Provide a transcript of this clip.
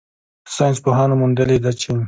ساینسپوهانو موندلې ده چې